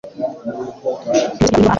Ntibyoroshye kwiga ururimi rwamahanga.